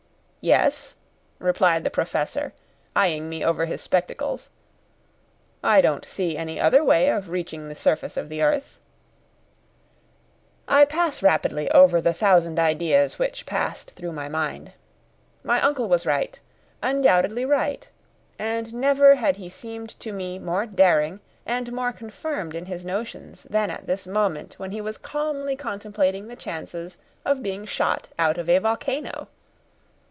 "Yes," replied the Professor, eyeing me over his spectacles, "I don't see any other way of reaching the surface of the earth." I pass rapidly over the thousand ideas which passed through my mind. My uncle was right, undoubtedly right; and never had he seemed to me more daring and more confirmed in his notions than at this moment when he was calmly contemplating the chances of being shot out of a volcano!